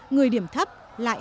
người điểm thấp lại